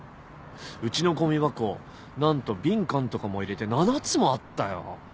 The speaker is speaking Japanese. うちのごみ箱何と瓶缶とかも入れて７つもあったよ。